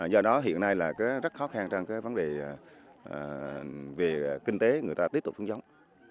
do đó hiện nay là rất khó khăn trong cái vấn đề về kinh tế người ta tiếp tục xuống giống